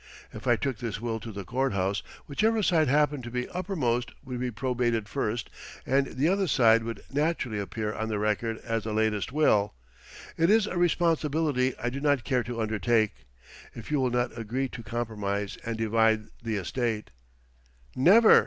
If I took this will to the courthouse, whichever side happened to be uppermost would be probated first and the other side would naturally appear on the record as the latest will. It is a responsibility I do not care to undertake. If you will not agree to compromise and divide the estate " "Never!"